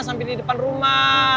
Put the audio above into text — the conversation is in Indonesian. sampai di depan rumah